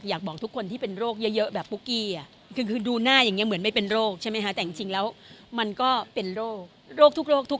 อยากบอกทุกคนที่เป็นโรคเยอะแยะแบบบุคกี้